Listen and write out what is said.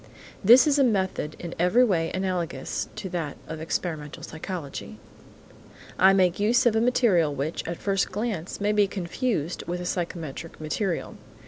This is a method in every way analogous to that of experimental psychology. I make use of a material which, at first glance, may be confused with psychometric material.